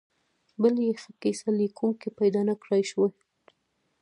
بل یې ښه کیسه لیکونکي پیدا نکړای شول.